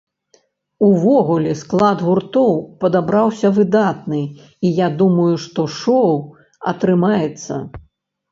Увогуле, склад гуртоў падабраўся выдатны і я думаю, што шоў атрымаецца.